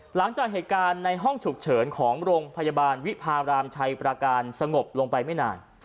หลังจากเหตุการณ์ในห้องฉุกเฉินของโรงพยาบาลวิพารามชัยประการสงบลงไปไม่นาน